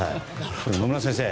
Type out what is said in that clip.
野村先生